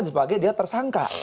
justru dia tersangka